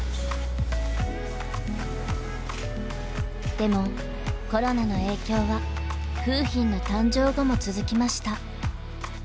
でもコロナの影響は楓浜の誕生後も続きました。